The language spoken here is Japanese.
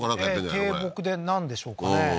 低木でなんでしょうかね